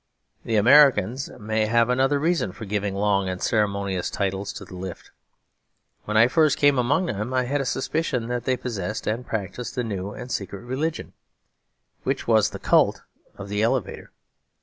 The Americans may have another reason for giving long and ceremonious titles to the lift. When first I came among them I had a suspicion that they possessed and practised a new and secret religion, which was the cult of the elevator.